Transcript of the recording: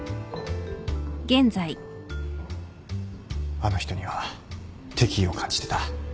あの人には敵意を感じてた。